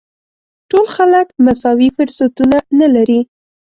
ټول خلک مساوي فرصتونه نه لري.